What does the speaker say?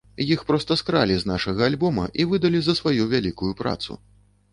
Іх проста скралі з нашага альбома і выдалі за сваю вялікую працу.